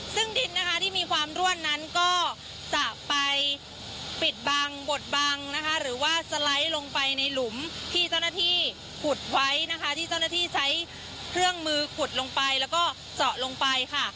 ซึ่งดินนะคะที่มีความร่วนนั้นก็จะไปปิดบังบดบังนะคะหรือว่าสไลด์ลงไปในหลุมที่เจ้าหน้าที่ขุดไว้นะคะที่เจ้าหน้าที่ใช้เครื่องมือขุดลงไปแล้วก็เจาะลงไปค่ะ